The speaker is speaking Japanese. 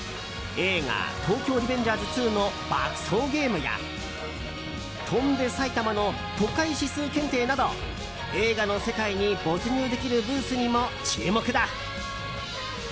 映画「東京リベンジャーズ２」の爆走ゲームや「翔んで埼玉」の都会指数検定など映画の世界に没入できるブースにも注目だ。